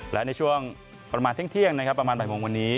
และในช่วงประมาณเที่ยงนะครับประมาณบ่ายโมงวันนี้